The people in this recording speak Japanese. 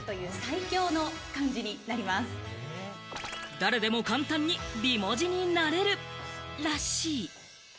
誰でも簡単に美文字になれるらしい。